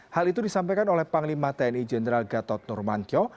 hal itu disampaikan oleh panglima tni jenderal gatot nurmantio